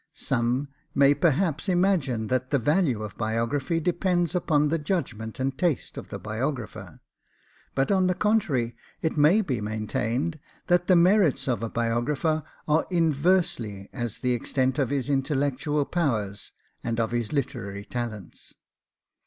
Some may perhaps imagine that the value of biography depends upon the judgment and taste of the biographer; but on the contrary it may be maintained, that the merits of a biographer are inversely as the extent of his intellectual powers and of his literary talents.